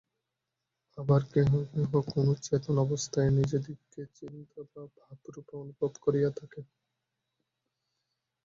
আবার কেহ কেহ কোন চেতন অবস্থায় নিজদিগকে চিন্তা বা ভাবরূপে অনুভব করিয়া থাকেন।